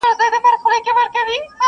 له هر کونجه یې جلا کول غوښتنه،